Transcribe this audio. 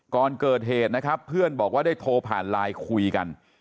ก่อนเกิดเหตุนะครับเพื่อนบอกว่าได้โทรผ่านไลน์คุยกัน